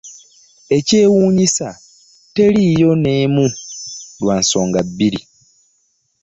Ekyewuunyisa teriiyo n’emu, lwa nsonga bbiri.